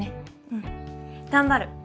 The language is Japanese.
うん頑張る。